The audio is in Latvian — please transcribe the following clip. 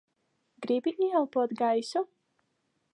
Gribi ieelpot gaisu?